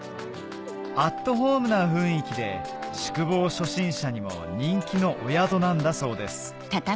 アットホームな雰囲気で宿坊初心者にも人気のお宿なんだそうです